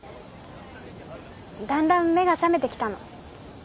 だんだん目が覚めてきたの。